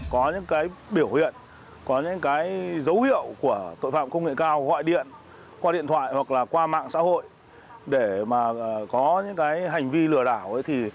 có những cái biểu hiện có những cái dấu hiệu của tội phạm công nghệ cao gọi điện qua điện thoại hoặc là qua mạng xã hội để mà có những cái hành vi lừa đảo ấy thì